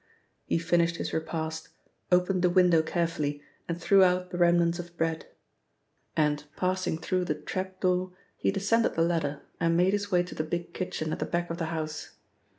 He finished his repast, opened the window carefully and threw out the remnants of bread, and passing through the trap door, he descended the ladder and made his way to the big kitchen at the back of the house.